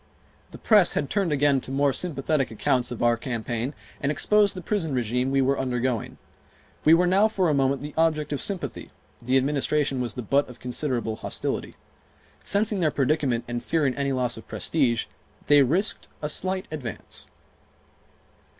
The press had turned again to more sympathetic accounts of our campaign and exposed the prison regime we were undergoing. We were now for a moment the object of sympathy; the Administration was the butt of considerable hostility. Sensing their predicament and fearing any loss of prestige, they risked a slight advance.